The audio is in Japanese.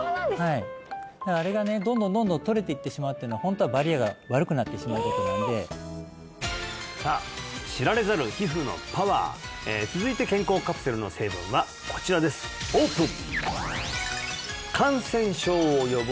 はいあれがねどんどんどんどん取れていってしまうっていうのはホントはバリアが悪くなってしまうことなんでさあ知られざる皮膚のパワー続いて健康カプセルの成分はこちらですオープン！